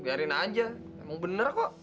biarin aja emang bener kok